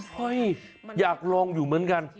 อยากลองอยู่เหมือนกัน